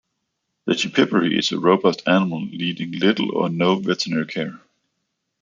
The Chippiparai is a robust animal needing little or no veterinary care.